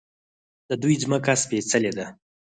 د دوی ځمکه سپیڅلې ده.